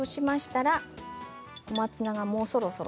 小松菜がそろそろ。